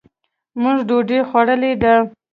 مونږ ډوډۍ خوړلې ده.